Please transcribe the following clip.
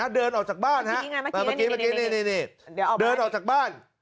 นะฮะเดินออกจากบ้านฮะนี่นี่นี่นี่เดินออกจากบ้าน